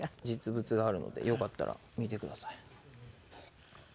実物があるのでよかったら見てください。